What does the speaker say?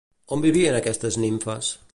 On vivien aquestes nimfes?